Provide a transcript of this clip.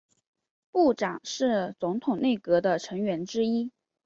部长是总统内阁的成员之一。